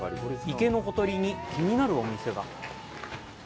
池のほとりに気になるお店が。